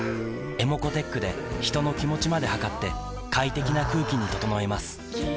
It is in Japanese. ｅｍｏｃｏーｔｅｃｈで人の気持ちまで測って快適な空気に整えます三菱電機